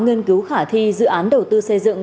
nghiên cứu khả thi dự án đầu tư xây dựng